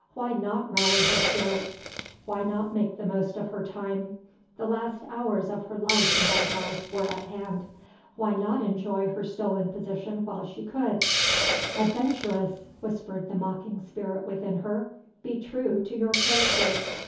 Why not rally her spirits? Why not make the most of her time? The last hours of her life in that house were at hand. Why not enjoy her stolen position while she could? "Adventuress!" whispered the mocking spirit within her, "be true to your character.